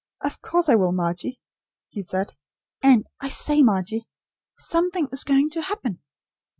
"Of course I will, Margie," he said. "And, I say Margie, SOMETHING IS GOING TO HAPPEN."